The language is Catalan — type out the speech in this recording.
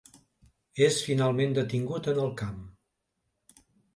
És finalment detingut en el camp.